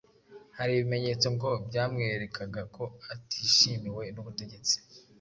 Hari ibimenyetso ngo byamwerekaga ko atishimiwe n'ubutegetsi